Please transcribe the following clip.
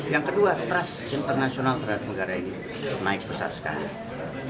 yang kedua trust internasional terhadap negara ini naik besar sekali